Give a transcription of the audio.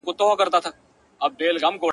د قاضي معاش څو چنده ته رسېږې ,